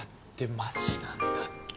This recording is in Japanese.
マジなんだって。